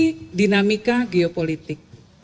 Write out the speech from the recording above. mengerti dinamika geopolitik